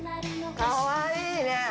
かわいいね！